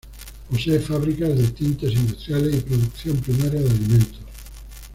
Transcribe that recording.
Posee fábricas de tintes industriales, y producción primaria de alimentos.